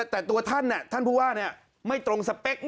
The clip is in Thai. แต่ตัวท่านท่านผู้ว่าไม่ตรงสเปค